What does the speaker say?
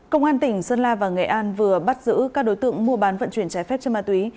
công an tỉnh sơn la và nghệ an vừa bắt giữ các đối tượng mua bán vận chuyển trái phép trên ma túy